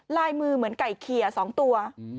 ลายมือเหมือนไก่เขีย๒ตัว